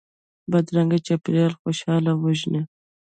بدرنګه چاپېریال خوشحالي وژني